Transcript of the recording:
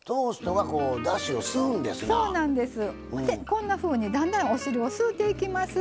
こんなふうにだんだんお汁を吸うていきます。